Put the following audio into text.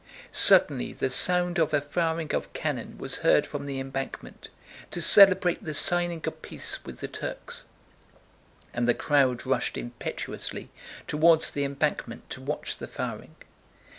Suddenly the sound of a firing of cannon was heard from the embankment, to celebrate the signing of peace with the Turks, and the crowd rushed impetuously toward the embankment to watch the firing.